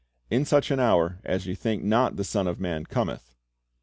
"In such an hour as ye think not the Son of man Cometh."